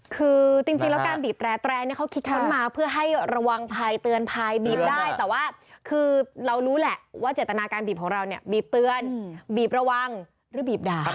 คือจริงแล้วการบีบแตรเนี่ยเขาคิดค้นมาเพื่อให้ระวังภัยเตือนภัยบีบได้แต่ว่าคือเรารู้แหละว่าเจตนาการบีบของเราเนี่ยบีบเตือนบีบระวังหรือบีบด่า